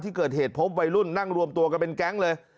ที่เกิดเหตุพบวัยรุ่นนั่งรวมตัวกันเป็นแก๊งเลย